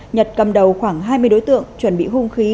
nhật cầm đầu khoảng hai mươi đối tượng chuẩn bị hung khí